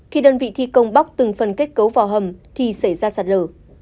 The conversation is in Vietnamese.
khi đơn vị thi công bóc từng phần kết cấu vào hầm thì xảy ra sạt lở